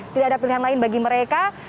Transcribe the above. tidak ada pilihan lain bagi mereka